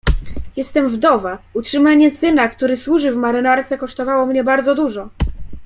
"Jestem wdowa, utrzymanie syna, który służy w marynarce, kosztowało mnie bardzo dużo."